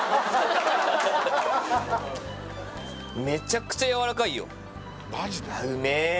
めちゃくちゃやわらかいようめえ